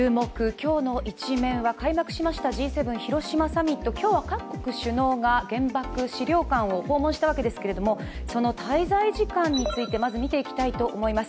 きょうのイチメン」は開幕しました広島サミット、今日は各国首脳が原爆資料館を訪問したわけですけれども、その滞在時間についてまず見ていきたいと思います。